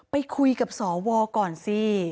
ไปคุยกับสวก่อนสิ